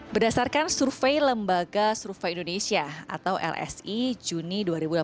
berdasarkan survei lembaga survei indonesia atau lsi juni dua ribu delapan belas